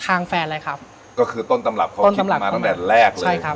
แฟนเลยครับก็คือต้นตำรับเขาคิดมาตั้งแต่แรกเลยใช่ครับ